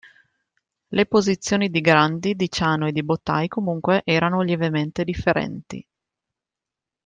Le posizioni di Grandi, di Ciano e di Bottai, comunque, erano lievemente differenti.